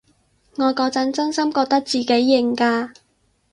我嗰陣真心覺得自己型㗎